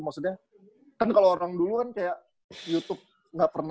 maksudnya kan kalo orang dulu kan kayak youtube